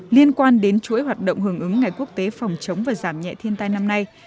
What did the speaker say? liên quan đến chuỗi hoạt động hưởng ứng ngày quốc tế phòng chống và giảm nhẹ thiên tai năm nay